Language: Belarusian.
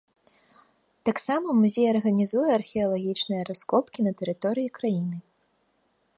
Таксама музей арганізуе археалагічныя раскопкі на тэрыторыі краіны.